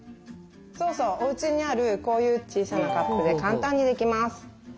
そうそうおうちにあるこういう小さなカップで簡単にできます。